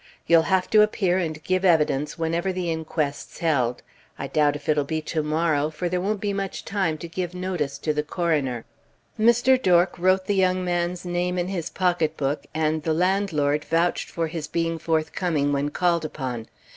You'll have to appear and give evidence whenever the inquest's held. I doubt if it'll be tomorrow, for there won't be much time to give notice to the coroner." Mr. Dork wrote the young man's name in his pocket book, and the landlord vouched for his being forthcoming when called upon.